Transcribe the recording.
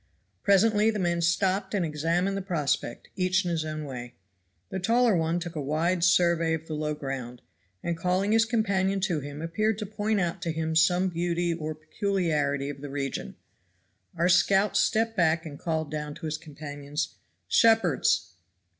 Presently the men stopped and examined the prospect, each in his own way. The taller one took a wide survey of the low ground, and calling his companion to him appeared to point out to him some beauty or peculiarity of the region. Our scout stepped back and called down to his companions, "Shepherds!"